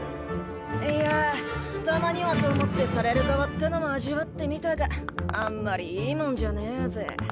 いやぁたまにはと思ってされる側ってのも味わってみたがあんまりいいもんじゃねえぜ。